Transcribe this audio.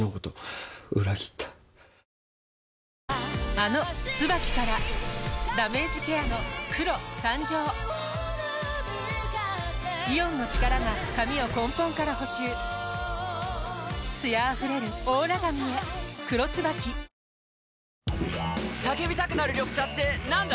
あの「ＴＳＵＢＡＫＩ」からダメージケアの黒誕生イオンの力が髪を根本から補修艶あふれるオーラ髪へ「黒ＴＳＵＢＡＫＩ」叫びたくなる緑茶ってなんだ？